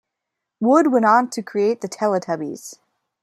Wood went on to create the "Teletubbies".